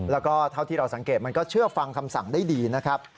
แล้วก็เท่าที่เราสังเกตมันก็เชื่อฟังคำสั่งได้ดีนะครับ